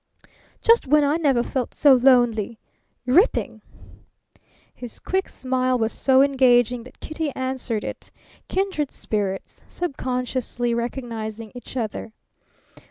"Just when I never felt so lonely! Ripping!" His quick smile was so engaging that Kitty answered it kindred spirits, subconsciously recognizing each other.